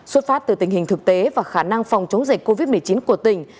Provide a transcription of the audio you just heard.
xuất phát từ tình hình thực tế và khả năng phòng chống dịch covid một mươi chín của tỉnh